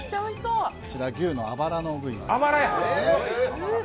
こちら、牛のあばらの部位です。